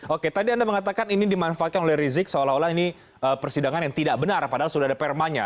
oke tadi anda mengatakan ini dimanfaatkan oleh rizik seolah olah ini persidangan yang tidak benar padahal sudah ada permanya